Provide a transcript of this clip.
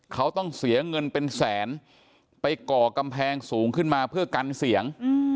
เขาต้องเสียเงินเป็นแสนไปก่อกำแพงสูงขึ้นมาเพื่อกันเสียง